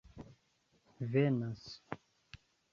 venas